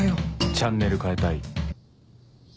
チャンネル替えたい